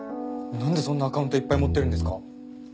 なんでそんなアカウントいっぱい持ってるんですか？